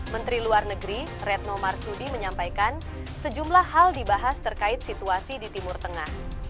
menteri luar negeri retno marsudi menyampaikan sejumlah hal dibahas terkait situasi di timur tengah